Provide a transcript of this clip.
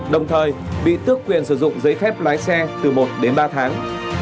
đồng thời bị tước quyền sử dụng giấy phép lái xe từ một đến ba tháng